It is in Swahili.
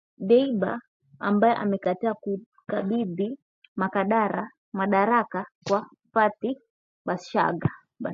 Dbeibah ambaye amekataa kukabidhi madaraka kwa Fathi Bashagha